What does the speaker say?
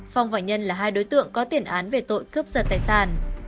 phong và nhân là hai đối tượng có tiền án về tội cướp giật tài sản